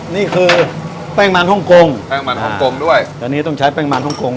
นี่คือแป้งมันฮ่องกงแป้งมันฮ่องกงด้วยตอนนี้ต้องใช้แป้งมันฮ่องกง